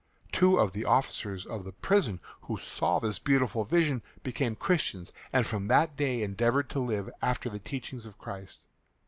Two of the officers of the prison who saw this beautiful vision became Christians and from that day endeavoured to live after the teachings of Christ.